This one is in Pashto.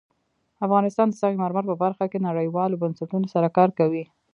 افغانستان د سنگ مرمر په برخه کې نړیوالو بنسټونو سره کار کوي.